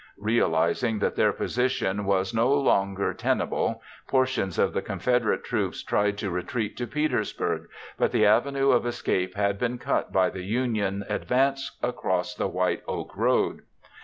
Realizing that their position was no longer tenable, portions of the Confederate troops tried to retreat to Petersburg, but the avenue of escape had been cut by the Union advance across the White Oak Road.